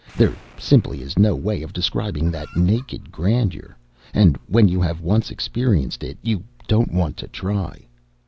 There simply is no way of describing that naked grandeur, and when you have once experienced it you don't want to try.